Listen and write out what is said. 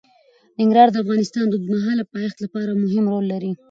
ننګرهار د افغانستان د اوږدمهاله پایښت لپاره مهم رول لري.